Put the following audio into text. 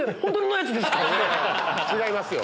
違いますよ。